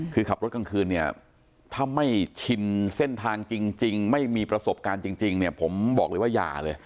คือขับรถกลางคืนเนี่ยถ้าไม่ชินเส้นทางจริงไม่มีประสบการณ์จริงเนี่ยผมบอกเลยว่าอย่าเลย